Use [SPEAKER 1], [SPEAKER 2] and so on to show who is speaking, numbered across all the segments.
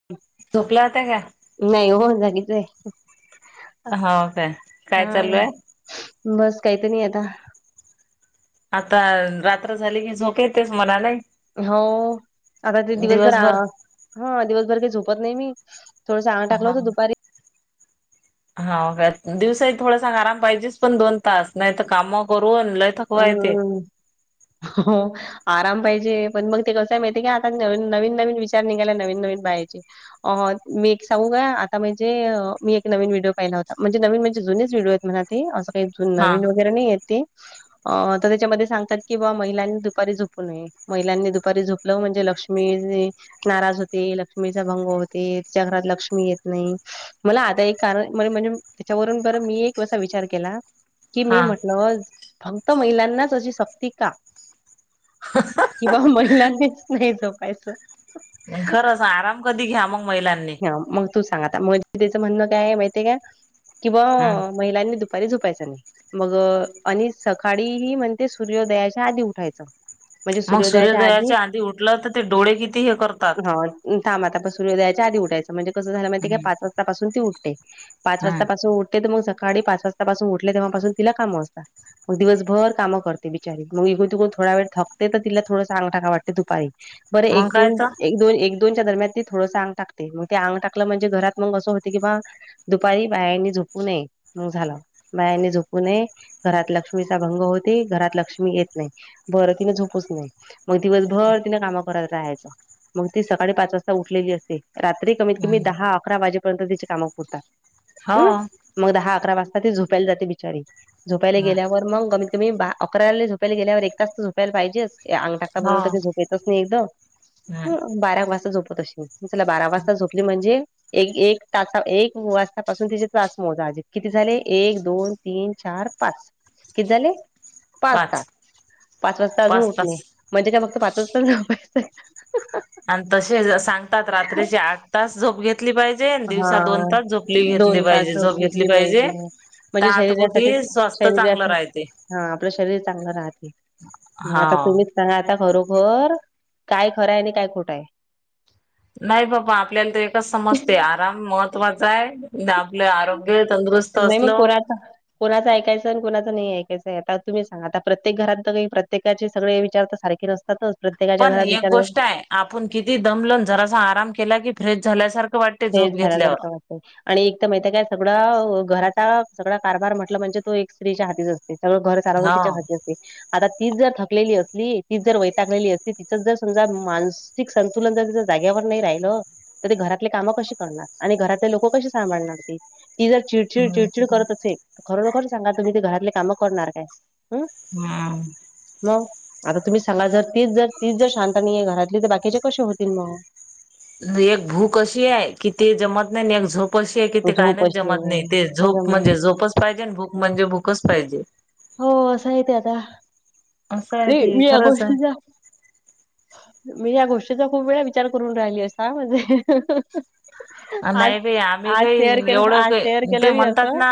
[SPEAKER 1] [inaudible]
[SPEAKER 2] झोपला होता का?
[SPEAKER 1] नाही ओ जागीच आहे.
[SPEAKER 2] हाव काय, काय चालू हाय?
[SPEAKER 1] बसं काही तरी आता
[SPEAKER 2] आता रात्र झाली की, झोप येतेचं मनाने
[SPEAKER 1] हो, आता ते दिवसभर हा दिवसभर काही झोपत नाही मी. थोडंसं [unintelligible] टाकलं
[SPEAKER 2] हा
[SPEAKER 1] होत दुपारी.
[SPEAKER 2] हाव काय, दिवसा थोड सां आराम पाहिजेच. पण दोन तास नाही तर काम करून थकवा येते.
[SPEAKER 1] अन हो [unintelligible] आराम पाहिजे पण मग ते कसं माहितीय का, आता नवीन नवीन विचार निघाला, नवीन नवीन पाहायचे. मी एक सांगू काय, आता म्हणजे मी एक नवीन व्हिडिओ पाहिला होता. म्हणजे नवीन म्हणजे जुनेच व्हिडिओ आहेत म्हणा ते असं काही
[SPEAKER 2] हा
[SPEAKER 1] नवीन वगैरे नाही येत ते. अ तर त्याच्यामध्ये सांगतात. की बा महिलांनी दुपारी झोपू नये महिलांनी दुपारी झोप ल. म्हणजे लक्ष्मी [unintelligible] नाराज होते, लक्ष्मीचा भंग होते. तिच्या घरात लक्ष्मी येत नाही. मला आता एक कारण म्हणजे, त्याच्यावरून बरं मी एक असा विचार केला? कि
[SPEAKER 2] हा
[SPEAKER 1] मी म्हटलं, फक्त महिलांनाच अशी सक्ती का? कि वा महिलांनीच नाही झोपायचं.
[SPEAKER 2] खरं सा आराम कधी घ्या, मग महिलांनी.
[SPEAKER 1] हा मग तू सांगाता मग त्याचं म्हणणं काय आहे, माहितीय काय? किंवा
[SPEAKER 2] हम्म
[SPEAKER 1] महिलांनी दुपारी झोपायच नाही, मग आणी ज सकाळी हि म्हणजे, सूर्योदयाच्या आधी उठायचं.
[SPEAKER 2] मग सूर्योदयाच्या आधी उठलं तर ते डोळे किती हे करतात?
[SPEAKER 1] थाम आता पा सूर्योदयाच्या आधी उठायचं म्हणजे कसं झाल माहितीये का
[SPEAKER 2] हम्म
[SPEAKER 1] पाच वाजतापासून ती उठते. पाच
[SPEAKER 2] हम्म
[SPEAKER 1] वाजतापसून उठते, तर मग सकाळी पाच वाजतापासून उठले तेव्हापासून तिला काम असतात. मग दिवसभर कामं करते बिचारी, मग इगून तुघून थोडा वेळ थांबते, तर तिला थोडसं आंग टाका वाटते. दुपारी. बर
[SPEAKER 2] मग
[SPEAKER 1] एक,
[SPEAKER 2] काय
[SPEAKER 1] दोन,
[SPEAKER 2] तर
[SPEAKER 1] एक एक दोनच्या दरम्यान त थोडं आंग टाकते. मग ते आंग टाकलं म्हणजे, घरात मग असं होते. की बा दुपारी बायांनी झोपू नये, मग झालं बायांनी झोपू नये घरात लक्ष्मी लक्ष्मीचा भंग होते. घरात लक्ष्मी येत नाही. बर तिन झोपूच नये. मग दिवसभर तिने काम करत राहायचं. मग ती सकाळी पाच वाजता उठलेली असते. रात्री कमीत कमी
[SPEAKER 2] हम्म
[SPEAKER 1] दहा अकरा वाजेपर्यंत तिची कामं पुरतात.
[SPEAKER 2] हा.
[SPEAKER 1] हम् मग दहा अकरा वाजता झोपायला जाते बिचारी झोपायला
[SPEAKER 2] हम्म
[SPEAKER 1] गेल्यावर मग कमीत कमी बा अकराला झोपायला गेल्यावर एक तास झोपायला पाहिजेच. अंग टाकता
[SPEAKER 2] हो
[SPEAKER 1] बरोबर त का झोप येतच नाही एकद ह [unintelligible]
[SPEAKER 2] हम्म
[SPEAKER 1] [unintelligible] [unintelligible] बारा वाजता झोपत तशी चला बारा वाजता झोपली म्हणजे. [unintelligible] एक एक तास एक वाजतापासून तिचे तास मोजाजे किती झाले एक दोन तीन चार पाच किती झाले पाच तास पाच वाजता अजून उठणे म्हणजे काय फक्त पाचच तस झोपायचं का [unintelligible]
[SPEAKER 2] आणि तसेच सांगतात रात्रीचेठ तास जोप घेत ेतली पाहिजे दिवसाात दोन
[SPEAKER 1] हां,
[SPEAKER 2] तास झोपली घेतली पाहिजे झोप घेतली पाहिजे तर
[SPEAKER 1] म्हणजे
[SPEAKER 2] आता कुठे स्वस्थ चांगलं राहते
[SPEAKER 1] हा आपलं शरीर चांगलं राहते.
[SPEAKER 2] हा
[SPEAKER 1] आता तु सांगा आता खरोखर काय खरं आहे आणि काय खोटं आहे.
[SPEAKER 2] नाही बाबा आपल्याला तर एकच समजते. आराम महत्त्वाचा आहे. आपलं आरोग्य तंदुरुस्त असल.
[SPEAKER 1] कोणाच ऐकायचंय आणि कोणाचं नाही. ऐकायचंय आता तुम्ही सांग आता प्रत्येक घरात ना काही प्रत्येकाचे सगळे विचार सारखे रस्तातच प्रत्येकाच्या
[SPEAKER 2] पण
[SPEAKER 1] घरात
[SPEAKER 2] एक
[SPEAKER 1] विचार
[SPEAKER 2] गोष्ट आहे आपण किती दमलन जरासा आराम केला की फ्रेश झाल्यासारखा
[SPEAKER 1] फेज झाला जरका आणि एक तर माहित काय सगळं घराचा सगळा कारभार म्हटलं म्हणजे तो एक स्त्रीच्या हातीच असते सगळं घर
[SPEAKER 2] हा
[SPEAKER 1] सारवंतीच्या च हाती आता तीच जर थकलेली असली तीच जर वैताकलेली असली तिथ जर समजा मा मानसिक संतुलन जर का त्यायचं जागेवर नाही राहील तरी घरात काम कशी करणार आणि घरातले लोक कशी सांभाळणार ती जर चिडचिड
[SPEAKER 2] नाही तर
[SPEAKER 1] चिडचिड
[SPEAKER 2] काय
[SPEAKER 1] करत असे खरोखर सांगा तुम्ही ते घरातले कामं करणार काय हम
[SPEAKER 2] हा
[SPEAKER 1] मग आता तुम्ही सांगा जर तीच जर तीच जर शांत नाहीये घरातली तर बाकीचे कसे होतील मग
[SPEAKER 2] एक भूक अशी आहे कि ते जमत नाही एक झोप शी आहे की ते काय
[SPEAKER 1] झोप
[SPEAKER 2] नाहीच जमत नाही ते झोप
[SPEAKER 1] अशी
[SPEAKER 2] म्हणजे झोपच पाहिजे आणि भूक म्हणजे भूकच पाहिजे
[SPEAKER 1] हो अस आहे ते आता
[SPEAKER 2] असं आहे ते
[SPEAKER 1] नाही मी या
[SPEAKER 2] खरंच आहे
[SPEAKER 1] गोष्टीचा मी या गोष्टीचा खूप वेळा विचार करून राहिली आहे म्हणजे आज
[SPEAKER 2] नाही काही आम्ही
[SPEAKER 1] आज शेअर
[SPEAKER 2] काही
[SPEAKER 1] केलं
[SPEAKER 2] एवढं
[SPEAKER 1] आज शेअर
[SPEAKER 2] काही ते
[SPEAKER 1] केलं मी
[SPEAKER 2] म्हणतात
[SPEAKER 1] असं
[SPEAKER 2] ना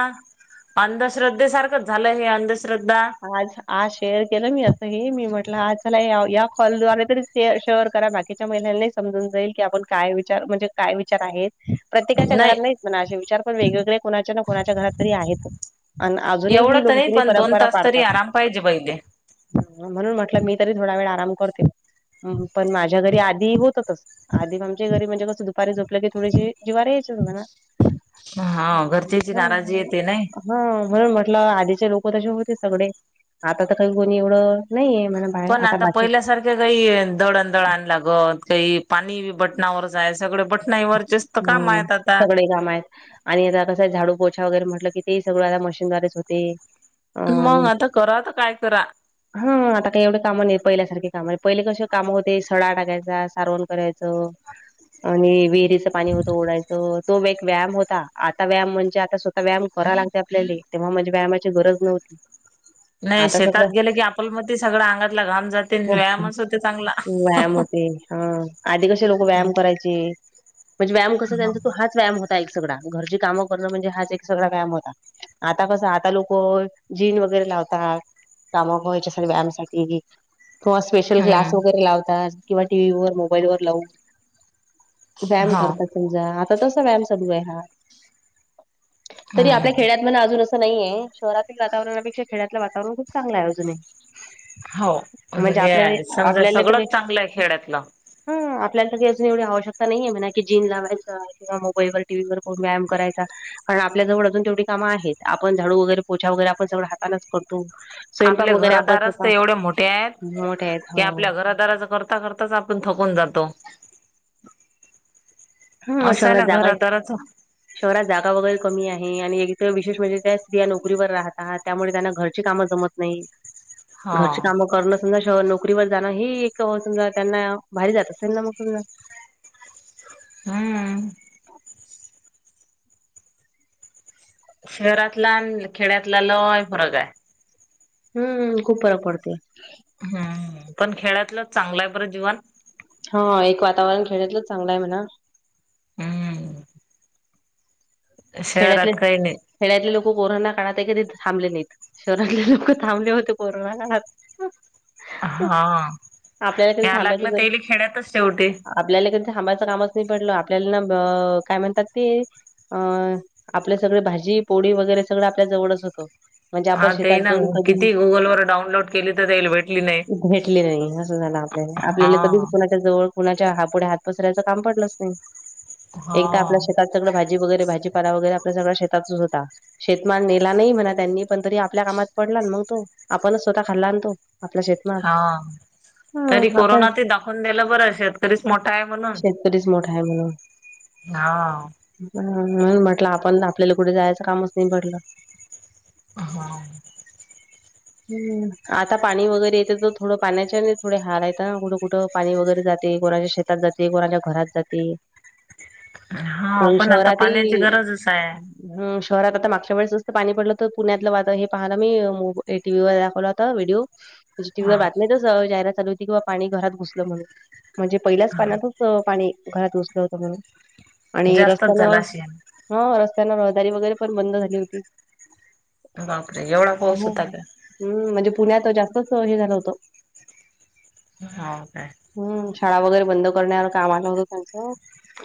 [SPEAKER 2] अंधश्रद्धेसारखंच झालंय नाही अंधश्रद्धा
[SPEAKER 1] आज आज शेअर केलं मी असं हे मी म्हटलं आज चला या कॉलद्वारे तरी ते शेर करा बाकीच्या महिलांना समजून जाईल की आपण काय विचार म्हणजे काय विचार आहेत प्रत्येकाच्या
[SPEAKER 2] नाही
[SPEAKER 1] घरात नाहीच म्हणा असे विचार पण वेगवेगळे कोणाच्या ना कोणाच्या घरातरी आहेत आणि अजून
[SPEAKER 2] एवढं
[SPEAKER 1] ह
[SPEAKER 2] तर
[SPEAKER 1] लोक
[SPEAKER 2] नाही
[SPEAKER 1] जुनी
[SPEAKER 2] पण दोन
[SPEAKER 1] परंपरा
[SPEAKER 2] तास
[SPEAKER 1] पारतात
[SPEAKER 2] तरी आराम पाहिजे बाई ले
[SPEAKER 1] म्हणून म्हटलं मी तरी थोडा वेळ आराम करते पण माझ्या घरी आधी होत तस आधी आमच्या घरी म्हणजे कसं दुपारी झोपलं की थोडीशी जिवावर यायचीच म्हणा
[SPEAKER 2] हा घरच्याची
[SPEAKER 1] हा
[SPEAKER 2] नाराजी येते नाही
[SPEAKER 1] हा म्हणून म्हटलं आधीचे लोक तसे होते सगळे आता तर काही कोणी एवढं नाही आहे
[SPEAKER 2] पण आता पहिल्यासारखं काही दळण दळण लागत काही पाणी बटनावरच आहे सगळे ब नाही वरचेच काम आहेत आता
[SPEAKER 1] लई काम आहेत आणि आता कसं झाडू पोछा वगैरे म्हटलं की ते सगळं आता मशीनद्वारेच होते
[SPEAKER 2] मग
[SPEAKER 1] अं
[SPEAKER 2] आता करा आता काय करा
[SPEAKER 1] हा आता काही एवढे कामं नाही पहिल्यासारखे काम पहिले कसे कामं होते सडा टाकायचा सारवण करायचा आणि विहिरीचं पाणी होतं ओडायचं तो एक व्यायाम होता आता व्यायाम म्हणजे आता स्वतः व्यायाम करा लागते आपल्याला तेव्हा म्हणे व्यायामाची गरज नव्हती
[SPEAKER 2] [unintelligible] नाही
[SPEAKER 1] आता
[SPEAKER 2] शेतात
[SPEAKER 1] सगळं
[SPEAKER 2] गेले की आपल म सगळं अंगातला घाम जाते व्यायामच होते चांगला
[SPEAKER 1] ते हा आधी कसे लोक व्यायाम करायचे म्हणजे व्याया कसं त्यांचा तो हाच व्याम होता एकगळा घरची कामं करणं म्हणजे हा एकगळा व्यायाम होता. आता कसं आता लोक जीन वगैरे लावतात कामाग वयच्या स व्यायामसाठी किंवा स्पेशल क्लास
[SPEAKER 2] हम्म
[SPEAKER 1] वगैरे लावतात किंवा टीव्ही ववर मोबाईल वर लावून व्यायाम
[SPEAKER 2] हा
[SPEAKER 1] करतात तुमझा आता तसा व्यायाम चालू आहे हा तरी आपल्या
[SPEAKER 2] हम्म
[SPEAKER 1] खेड्यात म्हण अजून नाहीे आहे शहरातील वातावरणापेक्षा खेड्यातलं वातावरण खूप चांगलं आहे अजून आहे.
[SPEAKER 2] हो समजा सगळंच चांगलं आहे खेड्यातलं
[SPEAKER 1] ह आपल्याला तरी अजून एवढी आवश्यकता नाही आहे म्हणा कि जिन लावायच किंवा मोबाईलवर टी व्हीवर पाहून व्यायाम करायचा. कारण आपल्या जवळ अजून तेवटी कामं आहेत आपण झाडू वगैरे पोछा वगैरे आपण जवळ हातालाच करतो. स्वयंपाक
[SPEAKER 2] आपले
[SPEAKER 1] वगैरे आपण
[SPEAKER 2] घरदारच तर
[SPEAKER 1] स्वतः
[SPEAKER 2] एवढे मोठे आहेत
[SPEAKER 1] मोठे आहेत
[SPEAKER 2] की
[SPEAKER 1] हो
[SPEAKER 2] आपल्या घरदाराच कर करताच आपण थकून जातो.
[SPEAKER 1] हम
[SPEAKER 2] असं आहे
[SPEAKER 1] शहरात
[SPEAKER 2] ना
[SPEAKER 1] जागाय
[SPEAKER 2] घरादाराच
[SPEAKER 1] शहरात जागा वगैरे कमी आहे आणि एक तर विशेष म्हणजे त्या स्त्रिया नोकरीवर राहतात त्यामुळे त्यांना घरची कामं जमत नाही
[SPEAKER 2] हा
[SPEAKER 1] घरची काम करण समजा श नोकरीवर जाणं ही एक समजा त्यांना भारी जात असेल ना मग समजा
[SPEAKER 2] हम्म शहरातला आणि खेड्यातला लय फरग आहे.
[SPEAKER 1] हम्म खूप फरक पडतेय.
[SPEAKER 2] हम् पण खेळतलं चांगलंय बरं जीवन
[SPEAKER 1] हा एक वातावरण खेळण्यातलंच चांगलं आहे म्हणा
[SPEAKER 2] हम्म
[SPEAKER 1] खेड्यातले
[SPEAKER 2] शेहरात काहीणे
[SPEAKER 1] खेड्यातले लोक कोरोना काळात आहे कधी थांबले नाहीत. शहरातले लोक थांबले होते कोरोना काळात
[SPEAKER 2] हा
[SPEAKER 1] आपल्याला कधी
[SPEAKER 2] या
[SPEAKER 1] थांबायची
[SPEAKER 2] लागलं
[SPEAKER 1] गरज
[SPEAKER 2] तेल खेड्यातच शेवटी
[SPEAKER 1] आपल्याला कधी थांबायचं कामच नाही पडल आपल्याला ना काय म्हणतात ते अ आपले सगळे भाजी पोळी वगैरे सगळं आपल्या जवळच होतो. म्हणजे आपण
[SPEAKER 2] हा ते
[SPEAKER 1] शेतात
[SPEAKER 2] ना
[SPEAKER 1] जाऊन कधी
[SPEAKER 2] किती गुगल वर डाउनलोड केली तर त्याला भेटली नाही.
[SPEAKER 1] भेटले नाही असं झालं आपल्याला
[SPEAKER 2] हा
[SPEAKER 1] कधीच कु ह पुुढ हात पसयच काम पडलंच नाही एक
[SPEAKER 2] हा
[SPEAKER 1] आपल्या शेतात सगं भाजी वगैरे भाजीपाला वगैरे आपल्या सगळा शेतातच होता. शेतमान नेला नाही म्हणा त्यांनी पण तरी आपल्या कामात पडला मग तो आपणच स्वतः खाल्ला आणतो आपल्या शेत
[SPEAKER 2] हा तरी कोरोनात दाखवून दिलं बरं शेतकरीच मोठा आहे म्हणून
[SPEAKER 1] कधीच मोठा आहे म्हणून
[SPEAKER 2] हा
[SPEAKER 1] ह म्हटलं आपण आपल्याला कुठे जायचं कामच नाही पडल
[SPEAKER 2] हा
[SPEAKER 1] हम्म आता पाणी वगैरे येते तर थोडं पाण्याच्या थोडे हार आहेत ना कुठं कुठं पाणी वगैरे जाते कोणाच्या शेत ात जाते कोणाच्या घरात जाते.
[SPEAKER 2] हा पण आता पाण्याची गरजच आहे.
[SPEAKER 1] ह शहरात आता मागच्या वेळेस जं पाणी पडलं तर पुण्यातलं वाात हे पाहायला मी टीव्हीवर दाखवला होता व्हिडिओ म्हे टी व् ववर
[SPEAKER 2] हा
[SPEAKER 1] बातमीच रात होती किंवा पाणी घरात घुसलं म्हणून म्हणजे पहिल्याच
[SPEAKER 2] हा
[SPEAKER 1] पाण्यातून पाणी घरात उसलं होतं म्हणून आणि
[SPEAKER 2] जास्तच झाला
[SPEAKER 1] रस्त्यानं
[SPEAKER 2] शेण.
[SPEAKER 1] हा रस्त्यांना रहदारी वगैरे पण बंद झाली होती.
[SPEAKER 2] बापरे एवढा पाऊस
[SPEAKER 1] हो.
[SPEAKER 2] होता का?
[SPEAKER 1] हम्म म्हणजे पुण्यात अ जास्तच हे झालं होतं.
[SPEAKER 2] हाव का?
[SPEAKER 1] हम्म शाळा वगैरे बंद करण्यावर काम आलं होतं त्यांचं.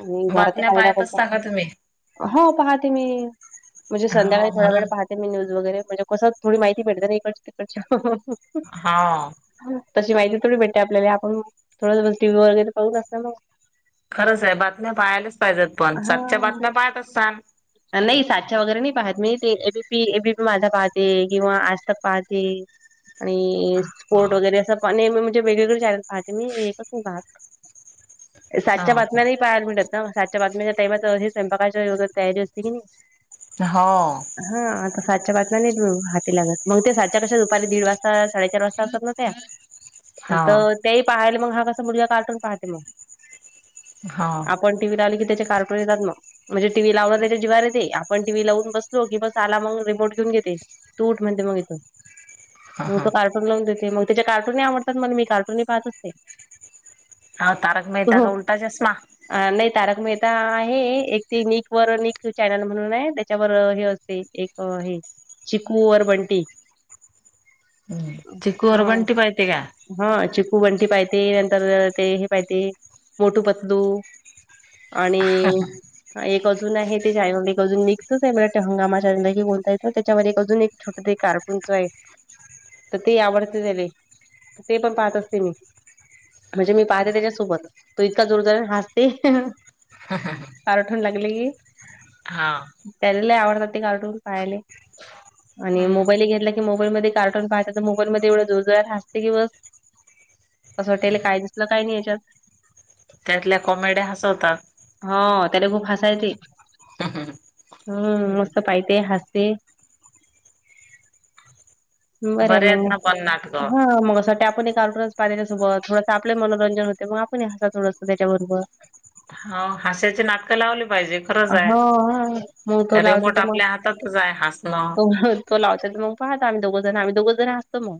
[SPEAKER 1] आणि घरातई
[SPEAKER 2] बातम्या
[SPEAKER 1] पाणी
[SPEAKER 2] पाहत
[SPEAKER 1] दाखवलतं.
[SPEAKER 2] असता का तुम्ही?
[SPEAKER 1] हो पाहते मी म्हणजे संध्याकाळी
[SPEAKER 2] हो
[SPEAKER 1] थोडा वेळ
[SPEAKER 2] म्हणून
[SPEAKER 1] पाहते मी, न्यूज वगैरे म्हणजे कसं थोडी माहि ती भेटते न इकडची तिकडची
[SPEAKER 2] हाव.
[SPEAKER 1] हम्म तशी माहिती थोडी भेटते आपल्याले आपण, थोडंस बस टी व्ही वगैरे पाहून बसत मंग.
[SPEAKER 2] खरंच आहे बातम्या पाहायलाच पायजत पण सातच्या बातम्या पाहत असांन?
[SPEAKER 1] नाई सातच्या वगैरे नाही पाहत मी ते A B, P A B P माझा पाहते. किंवा आज तक पाहते. आणि अ स्पोर्ट वगैरे असं पण नेहमी म्हणजे वेगवेगळे चॅनल पाहते मी हे एकच नाही पाहत.
[SPEAKER 2] [inaudible]
[SPEAKER 1] सातच्या
[SPEAKER 2] हो
[SPEAKER 1] बातम्या नाही पाहायला भेटत, सातच्या बातम्याच्या टाइमात हे स्वयंपाकाची वगैरे तयारी असते की नई.
[SPEAKER 2] हो.
[SPEAKER 1] हां आता सातच्या बातम्या नाहीत मग हा ती लागत मग ते सातच्या कशा, दुपारी दीड वाजता, साडेचार वाजता असतात न त्या त
[SPEAKER 2] हो
[SPEAKER 1] अ त्यायी पाहाले मगं हा कसा मुलगा कार्टून पाहते मगं
[SPEAKER 2] हो
[SPEAKER 1] आपण टी व्ही लावली की त्याचे कार्टून येतात मग म्हणजे टीव्ही लावलं त्याच्या जिवावर येते, आपण टीव्ही लावून बसलो की बस आला मग रिमोट घेऊन घेते. तू उठ म्हणते मग इथून
[SPEAKER 2] ह
[SPEAKER 1] मग
[SPEAKER 2] ह
[SPEAKER 1] तो कार्टू तर लावून देते मग त्याच्या कार्टूनही आवडतात मल मी कार्टूनही पहात असतें.
[SPEAKER 2] हा तारक मेहता का उलटा चष्मा?
[SPEAKER 1] अ नाही तारक मेहता आहे एक ते निक वर निक चॅनल म्हणून आहे त्याच्यावर हे अ ते एक हे. चिकू और बंटी हम्म.
[SPEAKER 2] चिकू वर बंटी पाहिती का
[SPEAKER 1] हम्म चिकू बंटी पायतेे नंतर ते हे पाहते मोटू पतलू आणि एक अजून आहे ते चैनल एक अजून निकचच आहे, मला वाटते हंगामा चैनल आहे की कोणत आहे त ते. त्याच्यावर एक अजून एक छोटं ते कार्टुनच आहे. त ते आवडते त्याले, त ते पण पाहत असते मीं. म्हणजे मी पाहते त्याच्यासोबत, तो इतका जोरजोऱ्याने हासते. कार्टून लागले की
[SPEAKER 2] हा
[SPEAKER 1] त्याले लई आवडतात ते कार्टून पाहायले. आणि मोबाईलई घेतला की मोबाईलमध्ये कार्टून पाहता त मोबाईलमध्ये एवढ्या जोरजोरात हासते की बस. असं वाटते याले काय दिसलं काही नाही यांच्यात?
[SPEAKER 2] त्यातल्या कॉमेड्या हासवतात.
[SPEAKER 1] हाव त्याले खूप हासा येते, हम्म मस्त पायते हास ते. बरंय
[SPEAKER 2] बरे आहेत
[SPEAKER 1] मग
[SPEAKER 2] ना पण नाटकं
[SPEAKER 1] हम्म मग असं वाटते आपणई कार्टूनच पाहा त्याच्यासोबत थोडसं आपलई मनोरंजन होते म आपणही हासा थोडंसं त्याच्याबरोबर.
[SPEAKER 2] हाव हाश्याचे नाटकं लावले पाहिजे खरंच
[SPEAKER 1] हो हा मग तो
[SPEAKER 2] आहे.
[SPEAKER 1] लावतो
[SPEAKER 2] रेंमोट
[SPEAKER 1] तर मग
[SPEAKER 2] आपल्या हात ततच हाय हासन.
[SPEAKER 1] तो तो लावते त मग पाहतो आम्ही दोघ जण, आम्ही दोघं जण हासतो मगं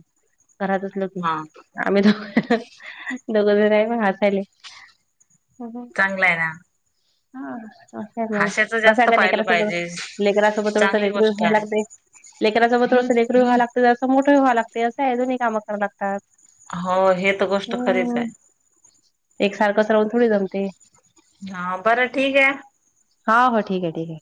[SPEAKER 1] घरात असलं की.
[SPEAKER 2] हा
[SPEAKER 1] आम्ही दोघ दोघं जन आहे म हासायले. हम्म हम्म
[SPEAKER 2] चांगलं आहे ना
[SPEAKER 1] हां. असय मगं
[SPEAKER 2] हास्याच
[SPEAKER 1] कसं आहे
[SPEAKER 2] जास्त
[SPEAKER 1] का
[SPEAKER 2] पाहिलं
[SPEAKER 1] लेकरा सोबत,
[SPEAKER 2] पाहिजे
[SPEAKER 1] लेकरा सोबत
[SPEAKER 2] चांगली गोष्ट आहे
[SPEAKER 1] लेकरा सोबत थोडंस लेकरू व्हां लागते, जरासं मोठं व्हां लागते असं आहे दोन्ही काम करां लागतात.
[SPEAKER 2] होव हे त गोष्ट खरीच
[SPEAKER 1] हम्म
[SPEAKER 2] आहे.
[SPEAKER 1] एकसारखंच रावून थोडी जमते.
[SPEAKER 2] हा बरं ठीक आहे.
[SPEAKER 1] हा हो ठीक आहे ठीक आहे.